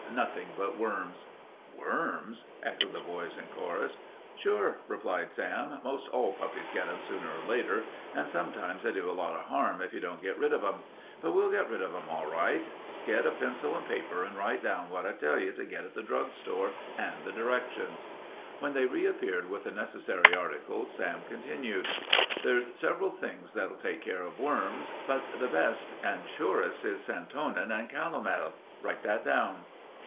Nothing but worms." "Worms?" echoed the boys in chorus. "Sure," replied Sam. "Most all puppies get 'em sooner or later, and sometimes they do a lot of harm if you don't get rid of 'em. But we'll get rid of 'em all right. Get a pencil and paper and write down what I tell you to get at the drug store and the directions." When they reappeared with the necessary articles, Sam continued: "There's several things that'll take care of worms, but the best and surest is santonin and calomel. Write that down."